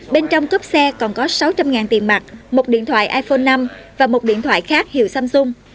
bên trong cốp xe còn có sáu trăm linh tiền mặt một điện thoại iphone năm và một điện thoại khác hiệu samsung